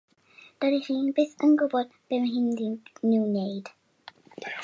Dydych chi byth yn gwybod beth mae hi'n mynd i'w wneud.